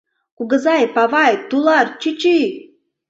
Кугызай, павай, тулар, чӱчӱ!